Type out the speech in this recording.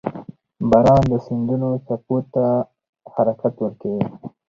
• باران د سیندونو څپو ته حرکت ورکوي.